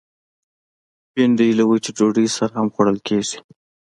بېنډۍ له وچې ډوډۍ سره هم خوړل کېږي